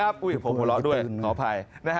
ผมห่วงหน่อยขออภัย